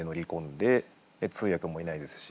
で通訳もいないですし。